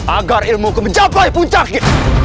agar ilmu ku mencapai puncaknya